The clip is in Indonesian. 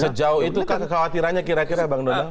sejauh itu kawatirannya kira kira bang dono